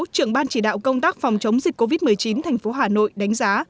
trưởng ban chỉ đạo công tác phòng chống dịch covid một mươi chín thành phố hà nội đánh giá